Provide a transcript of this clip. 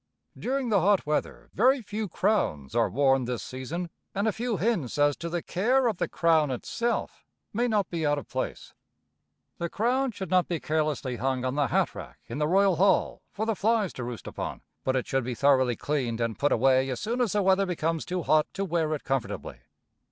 During the hot weather very few crowns are worn this season, and a few hints as to the care of the crown itself may not be out of place. The crown should not be carelessly hung on the hat rack in the royal hall for the flies to roost upon, but it should be thoroughly cleaned and put away as soon as the weather becomes too hot to wear it comfortably.